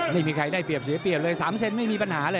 ไม่มีใครได้เปรียบเสียเปรียบเลย๓เซนไม่มีปัญหาเลย